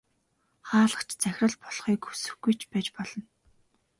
Хаалгач захирал болохыг хүсэхгүй ч байж болно.